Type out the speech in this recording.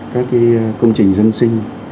các công trình dân sinh